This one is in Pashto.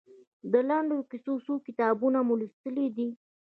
د لنډو کیسو څو کتابونه مو لوستي دي؟